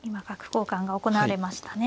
交換が行われましたね。